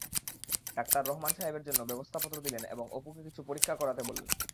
Doctor Rahman সাহেবের জন্য ব্যবস্থাপত্র দিলেন এবং অপুকে কিছু পরীক্ষা করাতে বললেন।